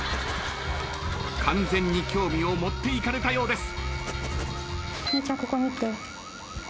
完全に興味を持っていかれたようです。